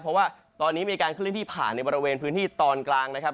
เพราะว่าตอนนี้มีการเคลื่อนที่ผ่านในบริเวณพื้นที่ตอนกลางนะครับ